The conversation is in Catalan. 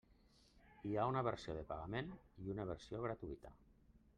Hi ha una versió de pagament i una versió gratuïta.